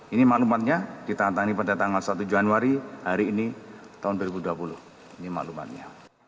ini maklumatnya ditangani pada tanggal satu januari hari ini tahun dua ribu dua puluh ini maklumatnya